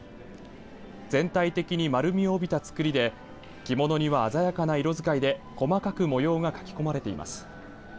全体的に丸みを帯びた作りで着物には鮮やかな色使いで細かく模様が書き込まれています。